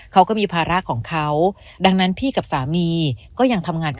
เขาก็มีภาระของเขาดังนั้นพี่กับสามีก็ยังทำงานกัน